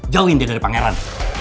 jauhin dia dari pangeran